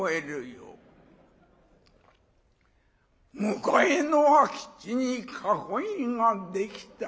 『向かいの空き地に囲いが出来た。